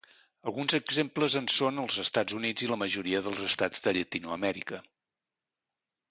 Alguns exemples en són: els Estats Units i la majoria dels estats de Llatinoamèrica.